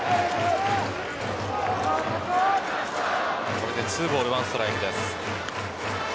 これで２ボール１ストライクです。